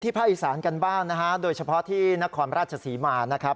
ภาคอีสานกันบ้างนะฮะโดยเฉพาะที่นครราชศรีมานะครับ